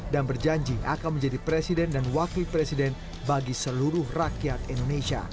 dan berjanji akan menjadi presiden dan wakil presiden bagi seluruh rakyat indonesia